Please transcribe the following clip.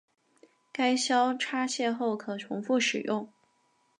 该销拆卸后可重复使用。